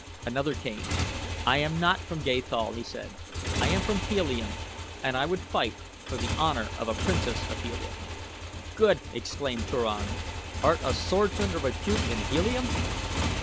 Another came. "I am not from Gathol," he said. "I am from Helium, and I would fight for the honor of a princess of Helium." "Good!" exclaimed Turan. "Art a swordsman of repute in Helium?"